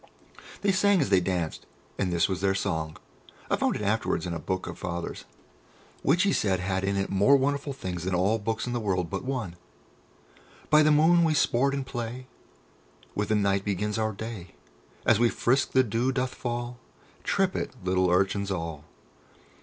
They sang as they danced, and this is their song. I found it afterwards in a book of Father's, which he said had in it more wonderful things than all books in the world but one: "By the moon we sport and play, With the night begins our day. As we frisk the dew doth fall, Trip it, little urchins all.